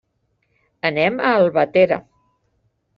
Anem a Albatera.